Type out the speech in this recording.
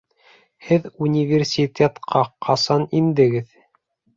Һеҙ университетҡа ҡасан индегеҙ?